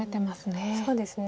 そうですね。